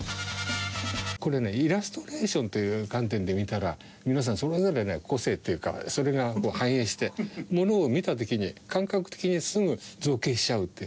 これねイラストレーションという観点で見たら皆さんそれぞれね個性っていうかそれが反映してものを見た時に感覚的にすぐ造形しちゃうっていう。